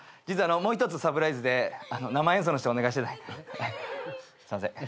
実はもう１つサプライズで生演奏の人お願いしてて。